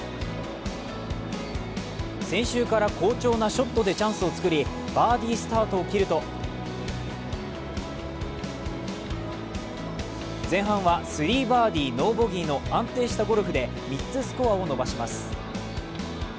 先週から好調なショットでチャンスを作りバーディースタートを切ると前半はスリーバーディー・ノーボギーの安定したゴルフで３つスコアを伸ばします。